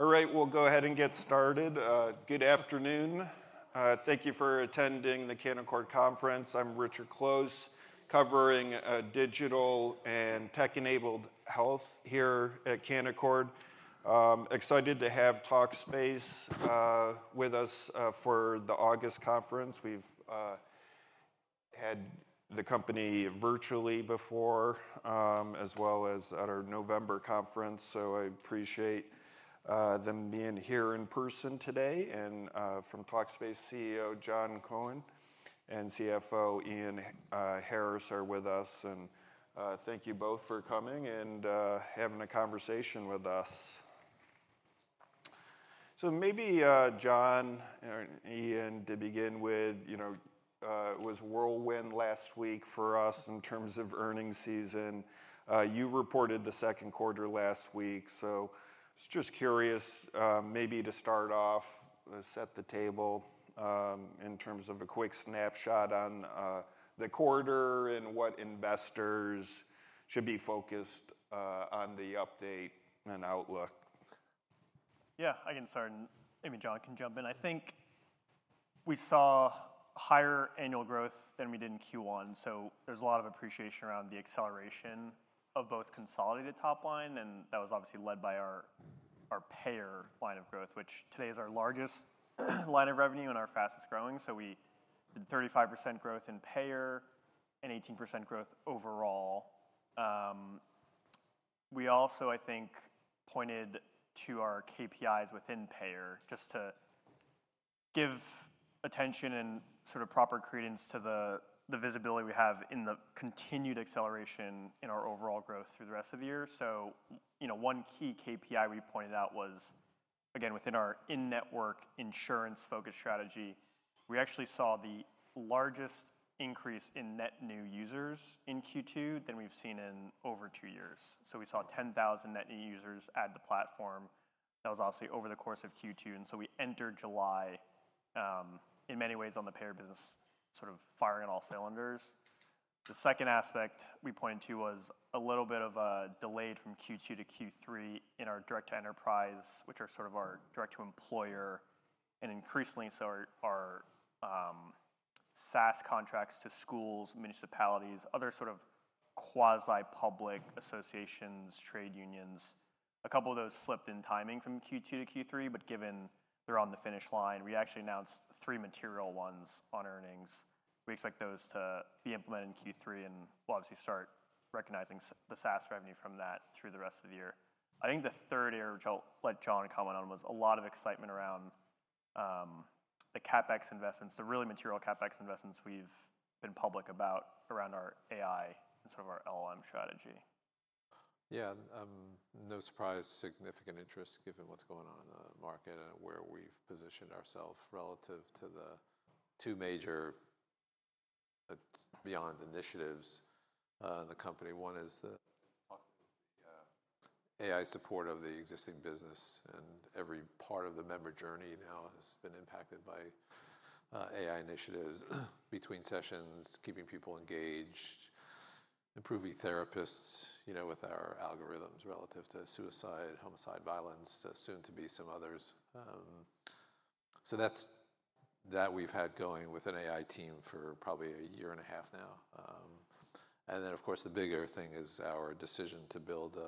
All right, we'll go ahead and get started. Good afternoon. Thank you for attending the Canaccord Conference. I'm Richard Close covering digital and tech-enabled health here at Canaccord. Excited to have Talkspace with us for the August conference. We've had the company virtually before, as well as at our November conference. I appreciate them being here in person today. From Talkspace, CEO Jon Cohen and CFO Ian Harris are with us. Thank you both for coming and having a conversation with us. Maybe Jon and Ian, to begin with, it was whirlwind last week for us in terms of earnings season. You reported the second quarter last week. I was just curious, maybe to start off, set the table in terms of a quick snapshot on the quarter and what investors should be focused on the update and outlook. Yeah, I can start. Maybe Jon can jump in. I think we saw higher annual growth than we did in Q1. There's a lot of appreciation around the acceleration of both consolidated top line, and that was obviously led by our payer line of growth, which today is our largest line of revenue and our fastest growing. We did 35% growth in payer and 18% growth overall. We also, I think, pointed to our KPIs within payer just to give attention and sort of proper credence to the visibility we have in the continued acceleration in our overall growth through the rest of the year. One key KPI we pointed out was, again, within our in-network insurance-focused strategy, we actually saw the largest increase in net new users in Q2 than we've seen in over two years. We saw 10,000 net new users add to the platform. That was obviously over the course of Q2. We entered July, in many ways, on the payer business, sort of firing on all cylinders. The second aspect we pointed to was a little bit of a delay from Q2-Q3 in our direct-to-enterprise, which are sort of our direct-to-employer, and increasingly so are our SaaS contracts to schools, municipalities, other sort of quasi-public associations, trade unions. A couple of those slipped in timing from Q2-Q3, but given they're on the finish line, we actually announced three material ones on earnings. We expect those to be implemented in Q3 and we'll obviously start recognizing the SaaS revenue from that through the rest of the year. I think the third area, which I'll let Jon comment on, was a lot of excitement around the CapEx investments, the really material CapEx investments we've been public about around our AI and some of our LLM strategy. Yeah, no surprise, significant interest given what's going on in the market and where we've positioned ourselves relative to the two major beyond initiatives in the company. One is the AI support of the existing business, and every part of the member journey now has been impacted by AI initiatives, between sessions, keeping people engaged, improving therapists, you know, with our algorithms relative to suicide, homicide, violence, soon to be some others. We've had that going with an AI team for probably a year and a half now. Of course, the bigger thing is our decision to build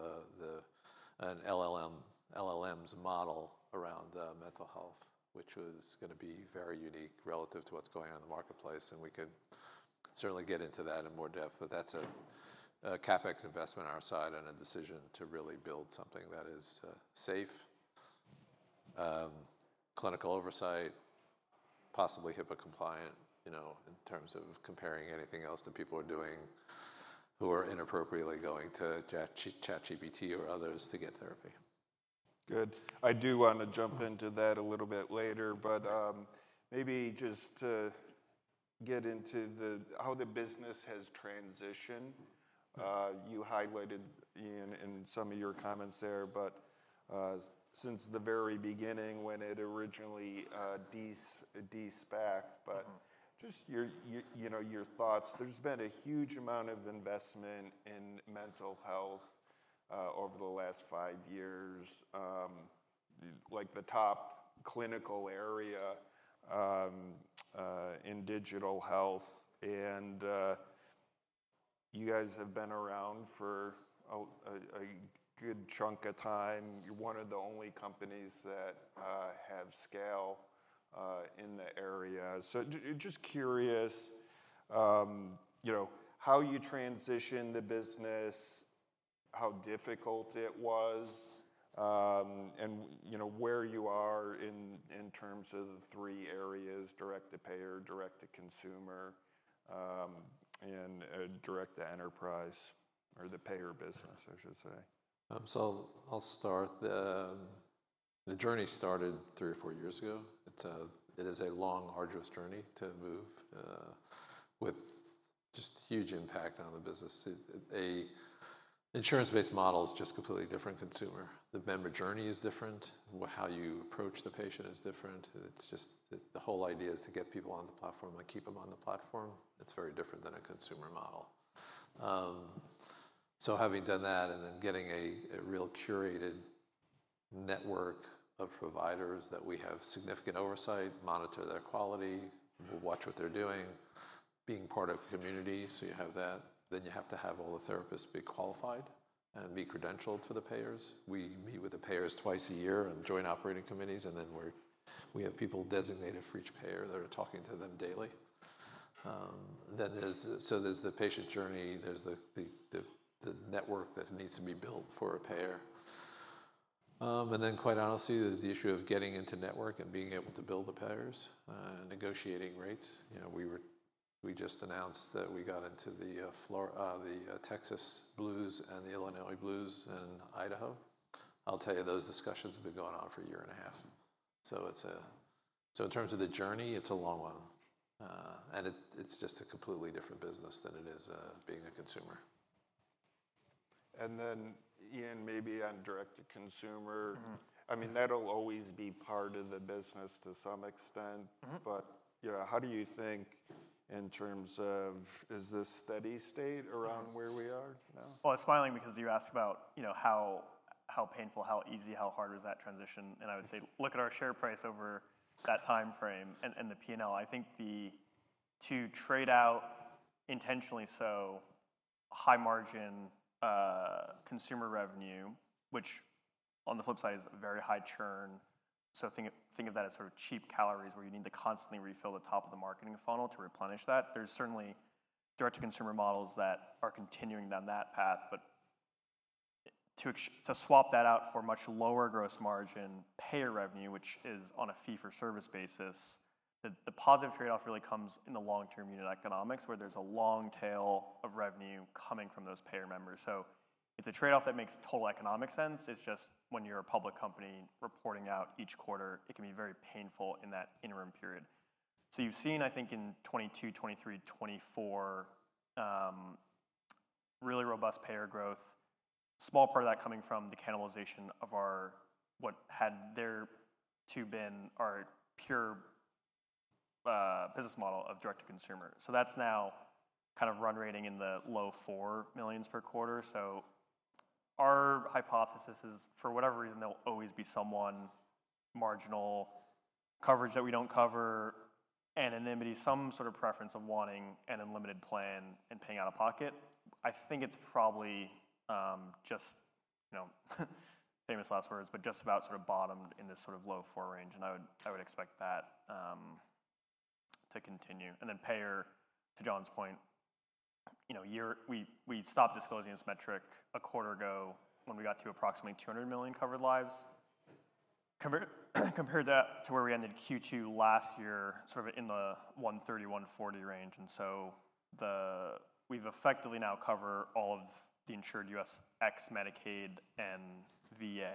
an LLMs model around mental health, which was going to be very unique relative to what's going on in the marketplace. We could certainly get into that in more depth, but that's a CapEx investment on our side and a decision to really build something that is safe, clinical oversight, possibly HIPAA compliant, you know, in terms of comparing anything else that people are doing who are inappropriately going to ChatGPT or others to get therapy. Good. I do want to jump into that a little bit later, but maybe just to get into how the business has transitioned. You highlighted in some of your comments there, but since the very beginning when it originally de-spacked, just your thoughts, there's been a huge amount of investment in mental health over the last five years, like the top clinical area in digital health. You guys have been around for a good chunk of time. You're one of the only companies that have scale in the area. I'm just curious, you know, how you transitioned the business, how difficult it was, and where you are in terms of the three areas: direct to payer, direct to consumer, and direct to enterprise, or the payer business, I should say. I'll start. The journey started three or four years ago. It is a long, arduous journey to move with just a huge impact on the business. An insurance-based model is just a completely different consumer. The member journey is different. How you approach the patient is different. The whole idea is to get people on the platform and keep them on the platform. It's very different than a consumer model. Having done that and then getting a real curated network of providers that we have significant oversight, monitor their quality, we'll watch what they're doing, being part of community. You have that. You have to have all the therapists be qualified and be credentialed for the payers. We meet with the payers twice a year and join operating committees, and we have people designated for each payer that are talking to them daily. There's the patient journey. There's the network that needs to be built for a payer. Quite honestly, there's the issue of getting into network and being able to build the payers, negotiating rates. We just announced that we got into the Texas Blues and the Illinois Blues in Idaho. I'll tell you, those discussions have been going on for a year and a half. In terms of the journey, it's a long one. It's just a completely different business than it is being a consumer. Ian, maybe on direct-to-consumer, I mean, that'll always be part of the business to some extent, but you know, how do you think in terms of, is this steady state around where we are now? I was smiling because you asked about, you know, how painful, how easy, how hard was that transition? I would say, look at our share price over that timeframe and the P&L. I think to trade out intentionally so high margin consumer revenue, which on the flip side is very high churn. Think of that as sort of cheap calories where you need to constantly refill the top of the marketing funnel to replenish that. There are certainly direct-to-consumer models that are continuing down that path. To swap that out for much lower gross margin payer revenue, which is on a fee-for-service basis, the positive trade-off really comes in the long-term unit economics where there's a long tail of revenue coming from those payer members. It's a trade-off that makes total economic sense. It's just when you're a public company reporting out each quarter, it can be very painful in that interim period. You have seen, I think, in 2022, 2023, 2024, really robust payer growth, a small part of that coming from the cannibalization of our, what had there to have been our pure business model of direct-to-consumer. That's now kind of run rating in the low $4 million per quarter. Our hypothesis is, for whatever reason, there will always be someone marginal coverage that we don't cover, anonymity, some sort of preference of wanting an unlimited plan and paying out of pocket. I think it's probably just, you know, famous last words, but just about sort of bottomed in this sort of low $4 million range. I would expect that to continue. Payer, to Jon's point, we stopped disclosing this metric a quarter ago when we got to approximately 200 million covered lives, compared to where we ended Q2 last year, sort of in the 130 million-140 million range. We have effectively now covered all of the insured U.S., ex-Medicaid, and VA.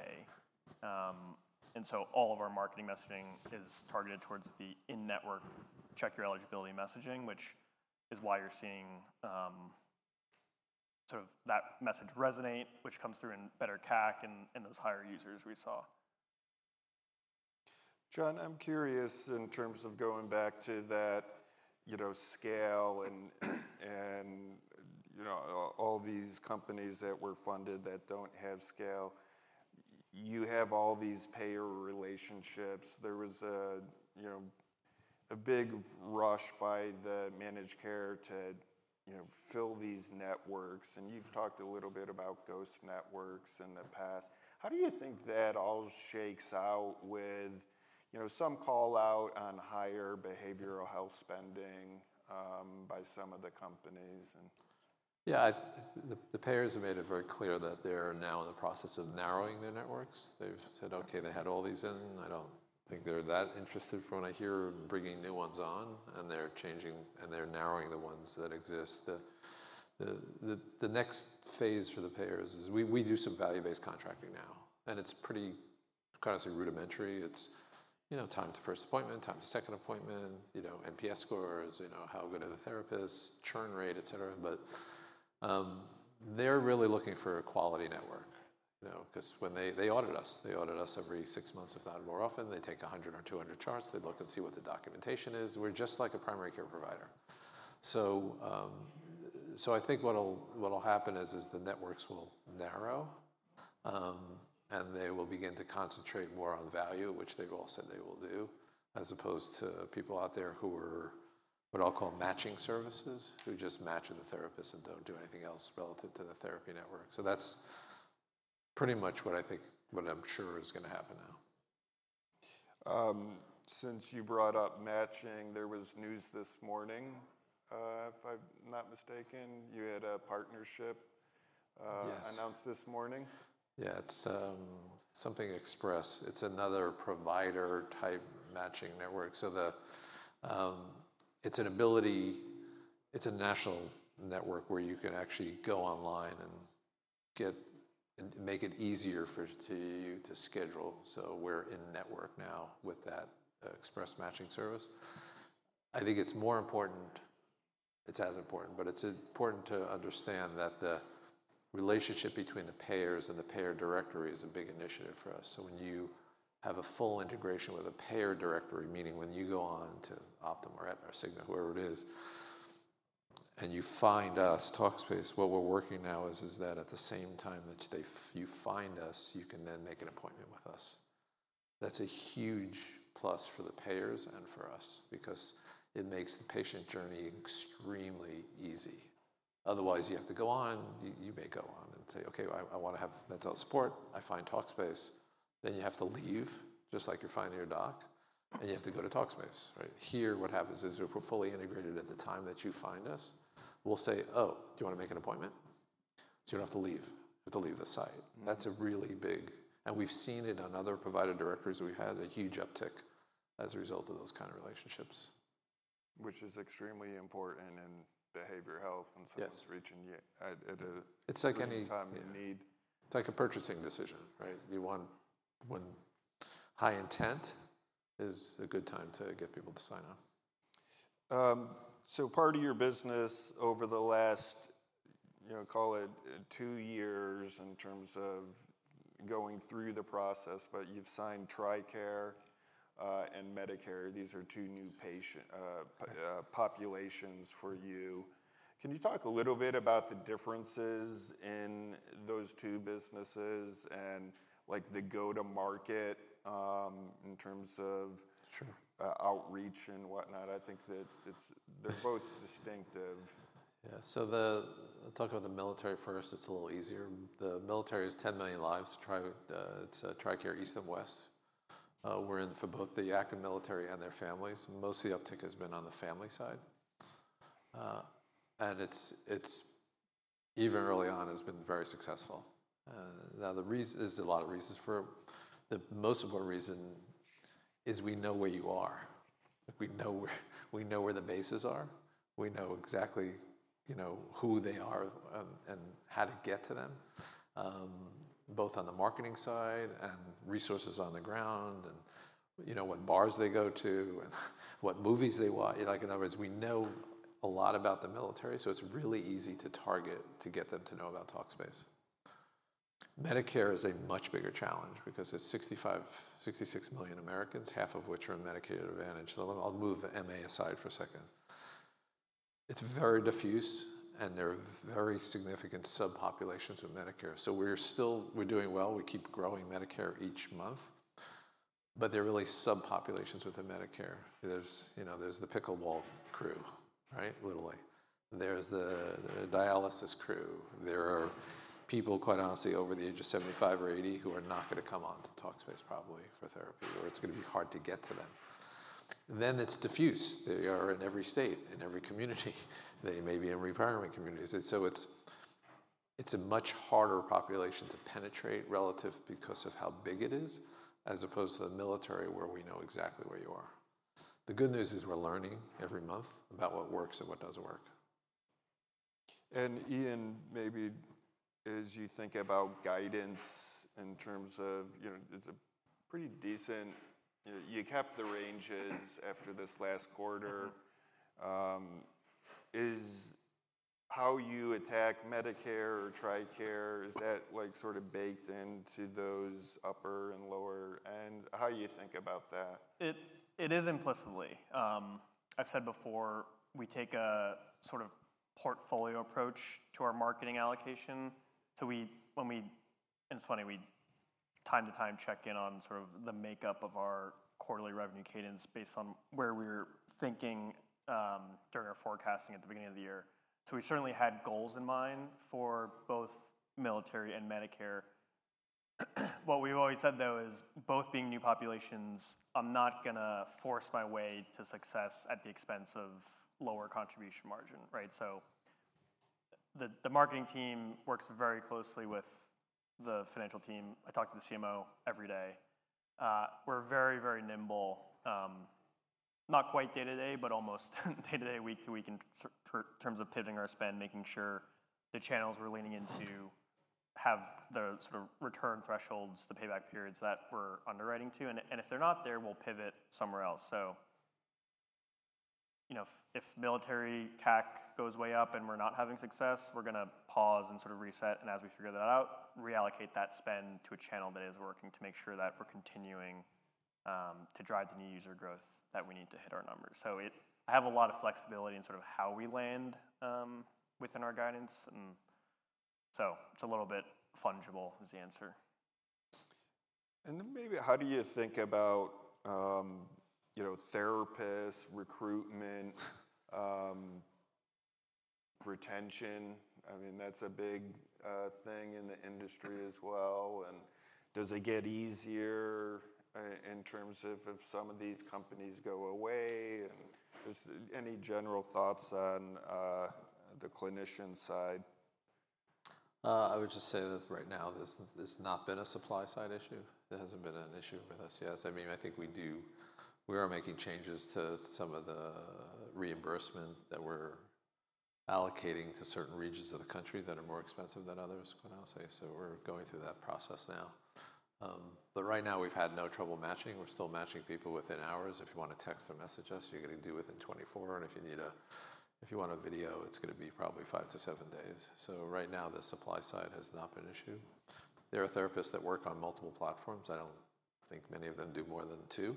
All of our marketing messaging is targeted towards the in-network check your eligibility messaging, which is why you're seeing sort of that message resonate, which comes through in better CAC and those higher users we saw. Jon, I'm curious in terms of going back to that scale and all these companies that were funded that don't have scale. You have all these payer relationships. There was a big rush by the managed care to fill these networks. You've talked a little bit about ghost networks in the past. How do you think that all shakes out with some call out on higher behavioral health spending by some of the companies? Yeah, the payers have made it very clear that they're now in the process of narrowing their networks. They've said, okay, they had all these in. I don't think they're that interested for when I hear bringing new ones on, and they're changing and they're narrowing the ones that exist. The next phase for the payers is we do some value-based contracting now, and it's pretty kind of rudimentary. It's, you know, time to first appointment, time to second appointment, NPS scores, how good are the therapists, churn rate, etc. They're really looking for a quality network, because when they audit us, they audit us every six months, if not more often. They take 100 or 200 charts. They look and see what the documentation is. We're just like a primary care provider. I think what'll happen is the networks will narrow, and they will begin to concentrate more on value, which they've all said they will do, as opposed to people out there who are what I'll call matching services, who just match the therapists and don't do anything else relative to the therapy network. That's pretty much what I think, what I'm sure is going to happen now. Since you brought up matching, there was news this morning, if I'm not mistaken, you had a partnership announced this morning. Yeah, it's something express. It's another provider-type matching network. It's an ability, it's a national network where you can actually go online and make it easier for you to schedule. We're in network now with that express matching service. I think it's as important, but it's important to understand that the relationship between the payers and the payer directory is a big initiative for us. When you have a full integration with a payer directory, meaning when you go on to Optum or Aetna or Cigna, whoever it is, and you find us, Talkspace, what we're working now is that at the same time that you find us, you can then make an appointment with us. That's a huge plus for the payers and for us because it makes the patient journey extremely easy. Otherwise, you may go on and say, okay, I want to have mental health support, I find Talkspace, then you have to leave just like you're finding your doc and you have to go to Talkspace. Right here, what happens is if we're fully integrated at the time that you find us, we'll say, oh, do you want to make an appointment? You don't have to leave. You have to leave the site. That's a really big, and we've seen it on other provider directories. We had a huge uptick as a result of those kinds of relationships. Which is extremely important in behavioral health and reaching the end. It's like any time you need, it's like a purchasing decision, right? You want when high intent is a good time to get people to sign up. Part of your business over the last, you know, call it two years in terms of going through the process, but you've signed Tricare and Medicare. These are two new patient populations for you. Can you talk a little bit about the differences in those two businesses and like the go-to-market in terms of outreach and whatnot? I think that they're both distinctive. Yeah, I'll talk about the military first. It's a little easier. The military is 10 million lives. It's Tricare East and West. We're in for both the active military and their families. Most of the uptick has been on the family side. Even early on, it's been very successful. There are a lot of reasons for it. The most important reason is we know where you are. We know where the bases are. We know exactly who they are and how to get to them, both on the marketing side and resources on the ground, and what bars they go to and what movies they watch. In other words, we know a lot about the military, so it's really easy to target to get them to know about Talkspace. Medicare is a much bigger challenge because it's 65-66 million Americans, half of which are in Medicare Advantage. I'll move the MA aside for a second. It's very diffuse and there are very significant subpopulations with Medicare. We're doing well. We keep growing Medicare each month, but there are really subpopulations within Medicare. There's the pickleball crew, literally. There's the dialysis crew. There are people, quite honestly, over the age of 75 or 80 who are not going to come on to Talkspace probably for therapy, or it's going to be hard to get to them. It's diffuse. They are in every state, in every community. They may be in retirement communities. It's a much harder population to penetrate because of how big it is, as opposed to the military where we know exactly where you are. The good news is we're learning every month about what works and what doesn't work. Ian, maybe as you think about guidance in terms of, you know, there's a pretty decent, you know, you kept the ranges after this last quarter. Is how you attack Medicare or Tricare, is that like sort of baked into those upper and lower ends? How do you think about that? It is implicitly. I've said before, we take a sort of portfolio approach to our marketing allocation. We, when we, and it's funny, we time to time check in on sort of the makeup of our quarterly revenue cadence based on where we're thinking during our forecasting at the beginning of the year. We certainly had goals in mind for both military and Medicare. What we've always said though is both being new populations, I'm not going to force my way to success at the expense of lower contribution margin, right? The marketing team works very closely with the financial team. I talk to the CMO every day. We're very, very nimble, not quite day-to-day, but almost day-to-day, week-to-week in terms of pivoting our spend, making sure the channels we're leaning into have the sort of return thresholds, the payback periods that we're underwriting to. If they're not there, we'll pivot somewhere else. If military CAC goes way up and we're not having success, we're going to pause and sort of reset. As we figure that out, reallocate that spend to a channel that is working to make sure that we're continuing to drive the new user growth that we need to hit our numbers. I have a lot of flexibility in sort of how we land within our guidance. It's a little bit fungible is the answer. How do you think about, you know, therapists, recruitment, retention? I mean, that's a big thing in the industry as well. Does it get easier in terms of if some of these companies go away? Any general thoughts on the clinician side? I would just say that right now there's not been a supply side issue. There hasn't been an issue with us. Yes, I mean, I think we do, we are making changes to some of the reimbursement that we're allocating to certain regions of the country that are more expensive than others. We are going through that process now. Right now we've had no trouble matching. We're still matching people within hours. If you want to text or message us, you're going to do it within 24. If you want a video, it's going to be probably five to seven days. Right now the supply side has not been an issue. There are therapists that work on multiple platforms. I don't think many of them do more than two.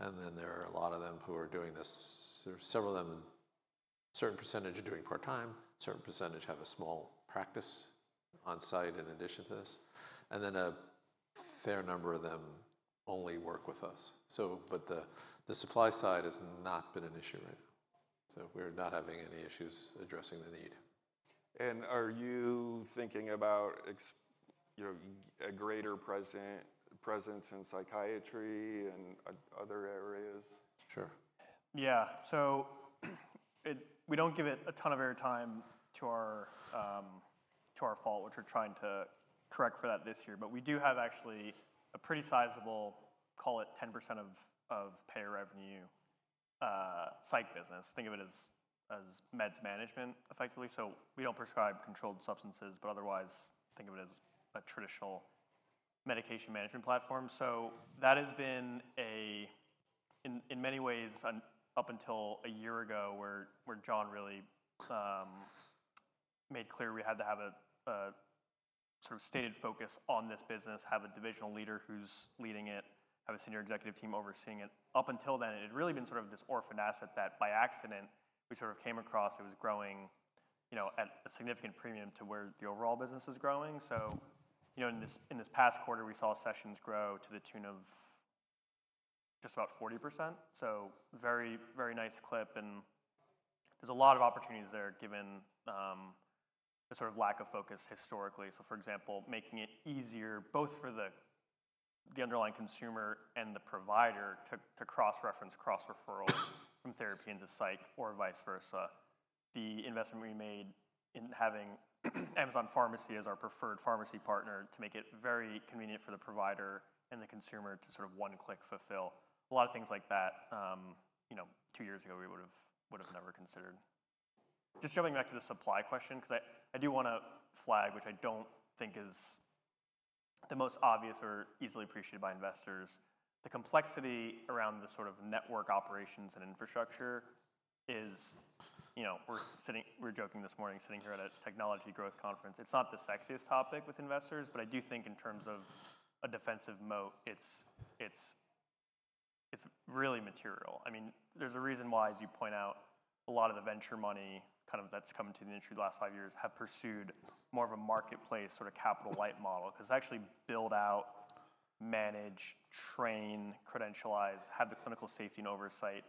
There are a lot of them who are doing this. Several of them, a certain percentage are doing part-time, a certain percentage have a small practice on site in addition to this. A fair number of them only work with us. The supply side has not been an issue right now. We're not having any issues addressing the need. Are you thinking about, you know, a greater presence in psychiatry and other areas? Sure. Yeah, we don't give it a ton of airtime to our fault, which we're trying to correct for that this year. We do have actually a pretty sizable, call it 10% of payer revenue psych business. Think of it as meds management effectively. We don't prescribe controlled substances, but otherwise think of it as a traditional medication management platform. That has been, in many ways, up until a year ago where Jon really made clear we had to have a sort of stated focus on this business, have a Divisional Leader who's leading it, have a Senior Executive Team overseeing it. Up until then, it had really been sort of this orphan asset that by accident we sort of came across. It was growing at a significant premium to where the overall business is growing. In this past quarter, we saw sessions grow to the tune of just about 40%. Very, very nice clip. There's a lot of opportunities there given the sort of lack of focus historically. For example, making it easier both for the underlying consumer and the provider to cross-reference, cross-referral from therapy into psych or vice versa. The investment we made in having Amazon Pharmacy as our preferred pharmacy partner to make it very convenient for the provider and the consumer to sort of one-click fulfill. A lot of things like that, two years ago we would have never considered. Just jumping back to the supply question, I do want to flag, which I don't think is the most obvious or easily appreciated by investors, the complexity around the sort of network operations and infrastructure is, we're joking this morning, sitting here at a technology growth conference. It's not the sexiest topic with investors, but I do think in terms of a defensive moat, it's really material. There's a reason why, as you point out, a lot of the venture money that's come into the industry the last five years have pursued more of a marketplace sort of capital-light model, because it's actually build out, manage, train, credentialize, have the clinical safety and oversight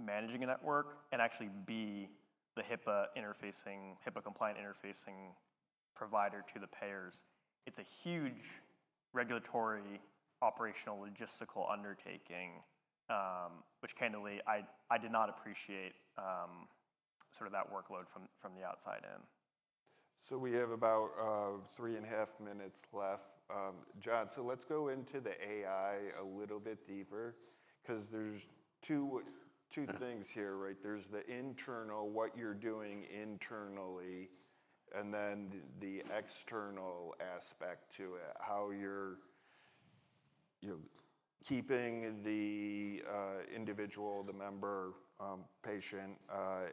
managing a network, and actually be the HIPAA interfacing, HIPAA compliant interfacing provider to the payers. It's a huge regulatory, operational, logistical undertaking, which candidly, I did not appreciate that workload from the outside in. We have about three and a half minutes left, Jon. Let's go into the AI a little bit deeper, because there's two things here, right? There's the internal, what you're doing internally, and then the external aspect to it, how you're keeping the individual, the member, patient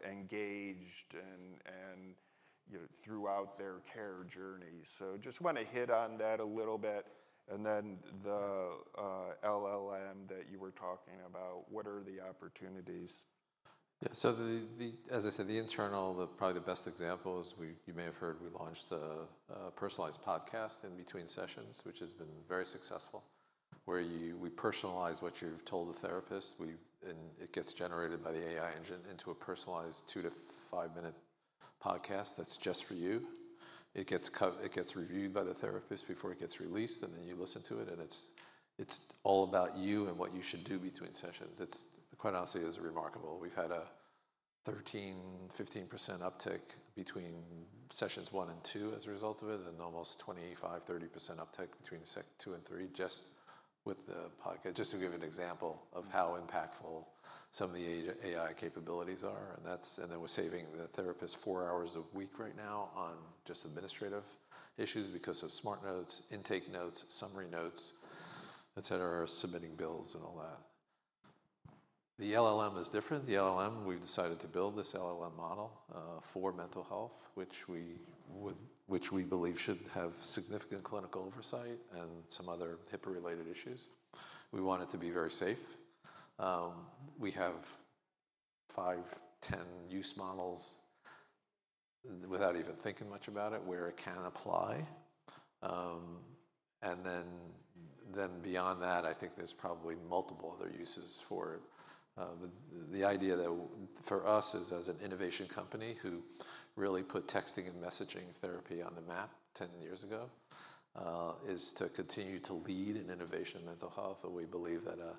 engaged and throughout their care journey. I just want to hit on that a little bit. Then the LLM that you were talking about, what are the opportunities? Yeah, as I said, the internal, probably the best example is you may have heard we launched a personalized podcast in between sessions, which has been very successful, where we personalize what you've told the therapist, and it gets generated by the AI engine into a personalized two to five-minute podcast that's just for you. It gets reviewed by the therapist before it gets released, and then you listen to it, and it's all about you and what you should do between sessions. It's quite honestly, it's remarkable. We've had a 13%-15% uptick between sessions one and two as a result of it, and almost 25%-30% uptick between the second two and three, just with the podcast, just to give an example of how impactful some of the AI capabilities are. We're saving the therapist four hours a week right now on just administrative issues because of smart notes, intake notes, summary notes, submitting bills and all that. The LLM is different. The LLM, we've decided to build this LLM model for mental health, which we believe should have significant clinical oversight and some other HIPAA-related issues. We want it to be very safe. We have 5-10 use models without even thinking much about it where it can apply. Beyond that, I think there's probably multiple other uses for it. The idea for us is as an innovation company who really put texting and messaging therapy on the map 10 years ago, to continue to lead in innovation mental health. We believe that a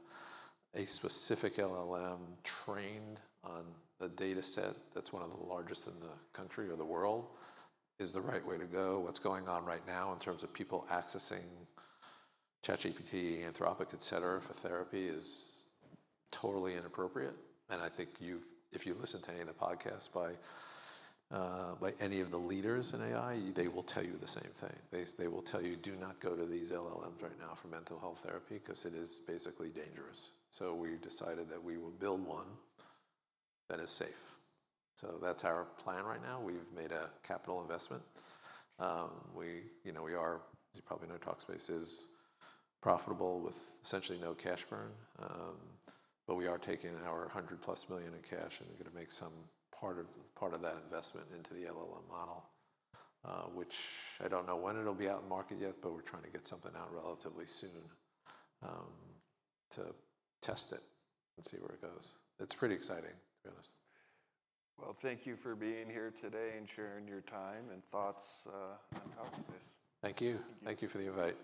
specific LLM trained on a data set that's one of the largest in the country or the world is the right way to go. What's going on right now in terms of people accessing ChatGPT, Anthropic, etc, for therapy is totally inappropriate. I think if you listen to any of the podcasts by any of the leaders in AI, they will tell you the same thing. They will tell you, do not go to these LLMs right now for mental health therapy, because it is basically dangerous. We decided that we will build one that is safe. That's our plan right now. We've made a capital investment. As you probably know, Talkspace is profitable with essentially no cash burn. We are taking our $100+ million in cash and going to make some part of that investment into the LLM model, which I don't know when it'll be out in the market yet, but we're trying to get something out relatively soon to test it and see where it goes. It's pretty exciting, to be honest. Thank you for being here today and sharing your time and thoughts on Talkspace. Thank you. Thank you for the invite.